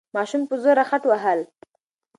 ماشوم په زوره خټ وهل.